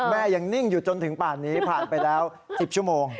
แม่ยังนิ่งอยู่จนถึงป่านนี้ผ่านไปแล้ว๑๐ชั่วโมง